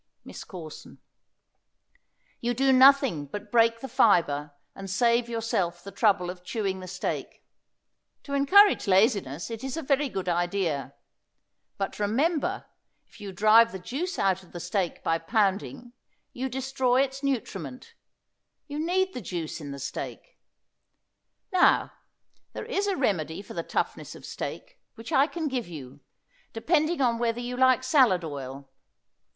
MISS CORSON. You do nothing but break the fibre and save yourself the trouble of chewing the steak. To encourage laziness it is a very good idea. But remember, if you drive the juice out of the steak by pounding you destroy its nutriment. You need the juice in the steak. Now, there is a remedy for the toughness of steak, which I can give you, depending upon whether you like salad oil.